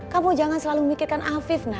kamu jangan selalu mikirkan afif nak